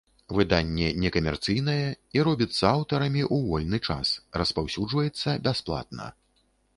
Выданне некамерцыйнае, і робіцца аўтарамі ў вольны час, распаўсюджваецца бясплатна.